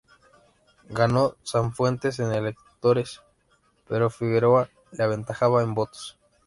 Ganó Sanfuentes en electores, pero Figueroa le aventajaba en votos.